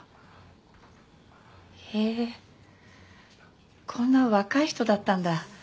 へえこんな若い人だったんだ。